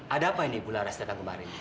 ada apa ini bu laras datang kemarin